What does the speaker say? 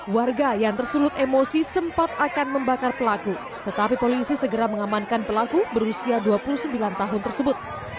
warga yang tersulut emosi sempat akan membakar pelaku tetapi polisi segera mengamankan pelaku berusia dua puluh sembilan tahun tersebut